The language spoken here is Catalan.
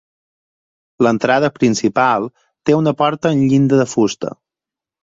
L’entrada principal té una porta amb llinda de fusta.